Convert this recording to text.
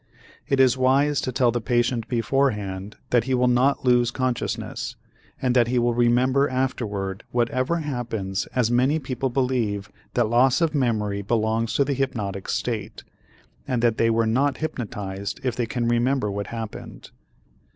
It is wise to tell the patient beforehand that he will not lose consciousness and that he will remember afterward whatever happens as many people believe that loss of memory belongs to the hypnotic state, and that they were not hypnotized if they can remember what happened.